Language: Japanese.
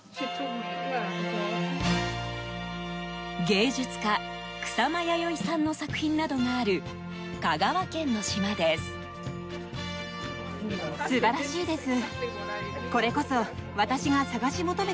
芸術家・草間彌生さんの作品などがある香川県の島です。